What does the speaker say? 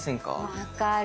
分かる。